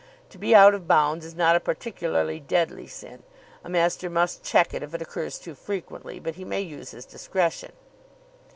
To be out of bounds is not a particularly deadly sin. A master must check it if it occurs too frequently, but he may use his discretion.